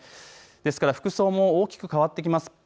ですから服装も大きく変わってきます。